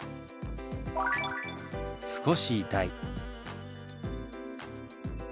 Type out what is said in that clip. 「少し痛い」。